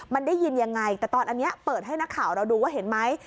มันได้ยินยังไงแต่ตอนอันนี้เปิดให้นักข่าวเราดูว่าเห็นไหม